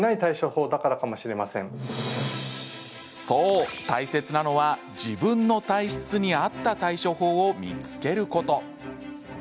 そう、大切なのは自分の体質に合った対処法を見つけること。